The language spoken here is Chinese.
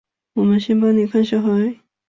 我们先帮妳看小孩